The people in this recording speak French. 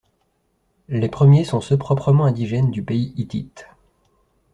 Les premiers sont ceux proprement indigènes du pays hittite.